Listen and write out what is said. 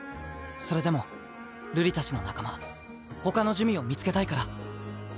それでも瑠璃たちの仲間ほかの珠魅を見つけたいから。